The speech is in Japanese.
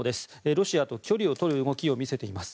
ロシアと距離をとる動きを見せています。